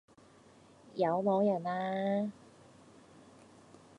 有冇人呀？